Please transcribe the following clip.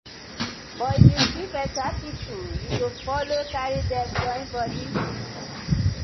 But if yu see beta pipus yu go follo karry dem join bodi.